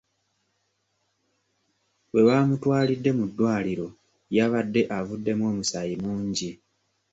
We baamutwalidde mu ddwaliro yabadde avuddemu omusaayi mungi.